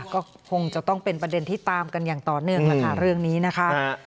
ก็คงจะต้องเป็นประเด็นที่ตามกันอย่างต่อเนื่องแล้วค่ะเรื่องนี้นะคะ